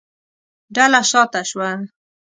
ډله شا ته شوه.